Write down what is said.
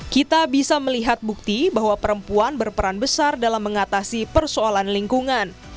kita bisa melihat bukti bahwa perempuan berperan besar dalam mengatasi persoalan lingkungan